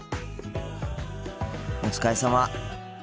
お疲れさま。